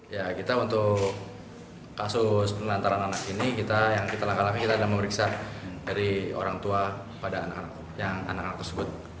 ya kita untuk kasus penelantaran anak ini yang kita langkah langkah kita adalah memeriksa dari orang tua pada anak anak tersebut